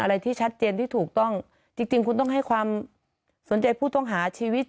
อะไรที่ชัดเจนที่ถูกต้องจริงจริงคุณต้องให้ความสนใจผู้ต้องหาชีวิต